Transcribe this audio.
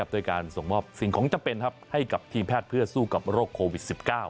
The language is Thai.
โดยการส่งมอบสิ่งของจำเป็นให้กับทีมแพทย์เพื่อสู้กับโรคโควิด๑๙